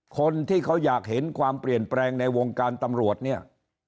คนที่เขาอยากเห็นความเปลี่ยนแปลงในวงการตำรวจเนี่ย